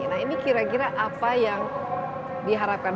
nah ini kira kira apa yang diharapkan